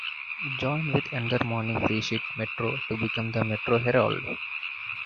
It joined with another morning freesheet "Metro" to become the "Metro Herald".